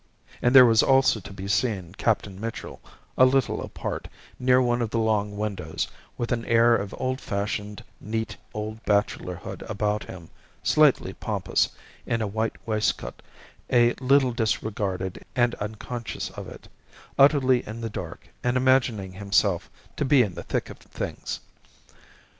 And there was also to be seen Captain Mitchell, a little apart, near one of the long windows, with an air of old fashioned neat old bachelorhood about him, slightly pompous, in a white waistcoat, a little disregarded and unconscious of it; utterly in the dark, and imagining himself to be in the thick of things.